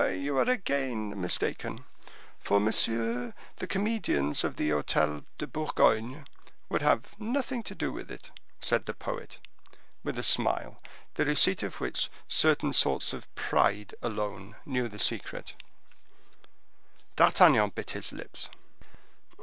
"You are again mistaken, for MM. the comedians of the Hotel de Bourgogne, would have nothing to do with it," said the poet, with a smile, the receipt for which certain sorts of pride alone knew the secret. D'Artagnan bit his lips.